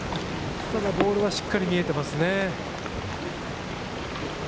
ボールはしっかり見えてますね。